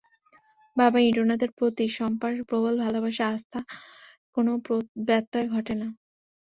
বাবা ইন্দ্রনাথের প্রতি শম্পার প্রবল ভালোবাসা, আস্থার কোনো ব্যত্যয় ঘটে না।